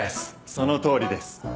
そのとおりです。